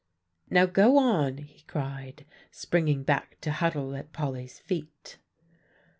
"Now go on," he cried, springing back to huddle at Polly's feet.